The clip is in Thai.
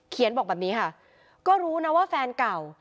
บอกแบบนี้ค่ะก็รู้นะว่าแฟนเก่า